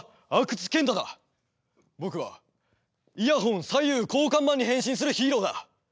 僕はイヤホン左右交換マンに変身するヒーローだ！